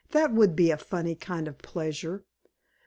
"That would be a funny kind of pleasure.